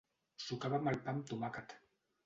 Sucàvem el pa amb tomàquet.